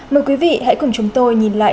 mời quý vị hãy cùng chúng tôi nhìn lại